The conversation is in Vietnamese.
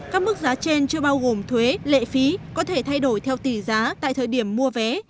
các mức giá trên chưa bao gồm thuế lệ phí có thể thay đổi theo tỷ giá tại thời điểm mua vé